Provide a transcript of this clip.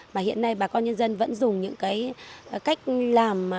mà hiện nay bà con nhân dân vẫn dùng những cái cách làm